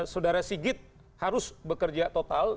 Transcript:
saudara sigit harus bekerja total